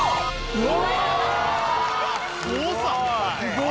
うわ！